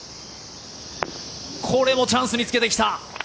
これもチャンスにつけてきた！